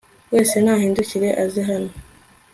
wese nahindukire aze hano